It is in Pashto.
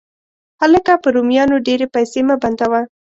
هلکه، په رومیانو ډېرې پیسې مه بندوه.